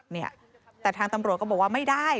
เนี่ยแต่ทางตำรวจก็บอกว่าไม่ได้